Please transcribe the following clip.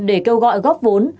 để kêu gọi góp vốn